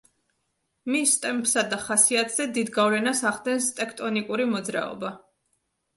მის ტემპსა და ხასიათზე დიდ გავლენას ახდენს ტექტონიკური მოძრაობა.